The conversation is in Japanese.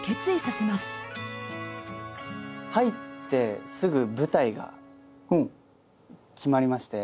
入ってすぐ舞台が決まりまして。